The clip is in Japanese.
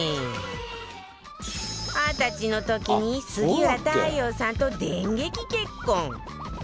二十歳の時に杉浦太陽さんと電撃結婚